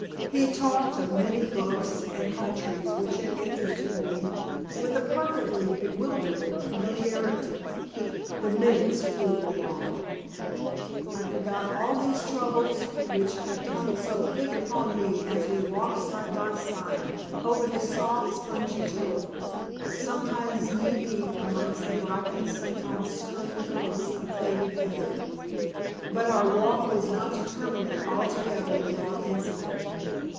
He talked of many books and countries which had interested me with a perfectly bewildering familiarity. The minutes flew along. I forgot all these troubles which had come so thick upon me as we walked side by side over the soft, spongy turf, sometimes knee deep amongst the bracken, sometimes skirting clumps of faded heather. But our walk was not to terminate altogether without incident.